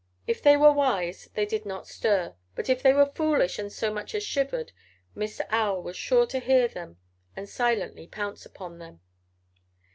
If they were wise they did not stir, but if they were foolish and so much as shivered Mr. Owl was sure to hear them and silently pounce upon them.